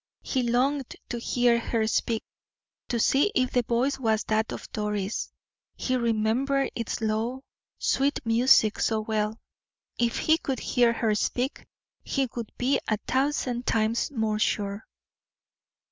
He longed to hear her speak, to see if the voice was that of Doris: he remembered its low, sweet music so well; if he could hear her speak, he would be a thousand times more sure.